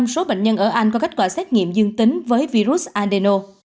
bảy mươi năm số bệnh nhân ở anh có kết quả xét nghiệm dương tính với virus adeno